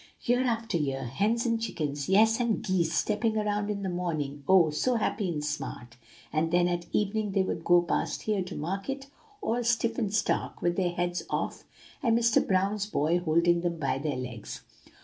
'Year after year, hens and chickens, yes, and geese, stepping around in the morning, oh! so happy and smart; and then at evening they would go past here to market, all stiff and stark, with their heads off and Mr. Brown's boy holding them by their legs!